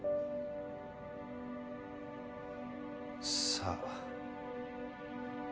さあ。